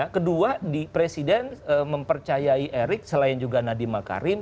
kedua presiden mempercayai erik selain juga nadiem alkarim